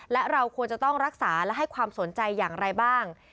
และเราควรจะต้องรักษาและให้ความสนใจอย่างไรบ้าง